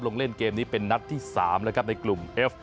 ลงเล่นเกมนี้เป็นนัดที่๓แล้วครับในกลุ่มเอฟ